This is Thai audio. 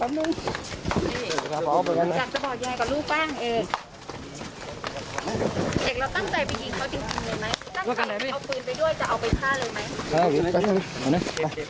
ไปเลยกันเลย